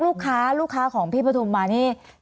ลูกค้าลูกค้าของพี่ปฐุมมานี่